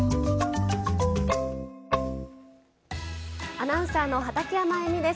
アナウンサーの畠山衣美です。